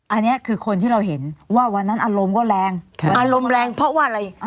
อันนี้คือคนที่เราเห็นว่าวันนั้นอารมณ์ก็แรงอารมณ์แรงเพราะว่าอะไร